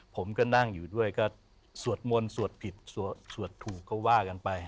ผมก็นั่งอยู่ด้วยก็สวดมนต์สวดผิดสวดถูกก็ว่ากันไป